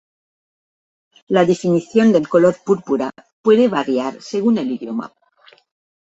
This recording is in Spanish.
La definición del color púrpura puede variar según el idioma.